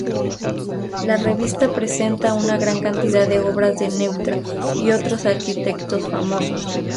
La revista presenta una gran cantidad de obras de Neutra y otros arquitectos famosos.